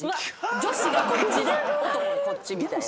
女子がこっちで男こっちみたいな。